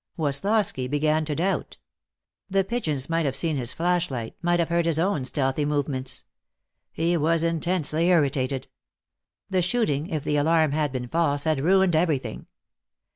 Woslosky began to doubt. The pigeons might have seen his flashlight, might have heard his own stealthy movements. He was intensely irritated. The shooting, if the alarm had been false, had ruined everything.